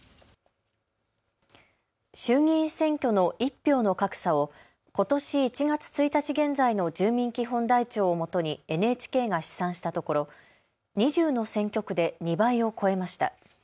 衆議院選挙の１票の格差をことし１月１日現在の住民基本台帳をもとにＮＨＫが試算したところ２０の選挙区で２倍を超えました。